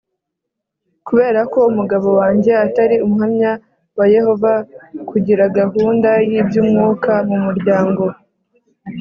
Kubera ko umugabo wanjye atari Umuhamya wa Yehova kugira gahunda y iby umwuka mu muryango